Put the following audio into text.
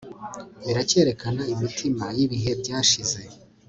Biracyerekana imitima yibihe byashize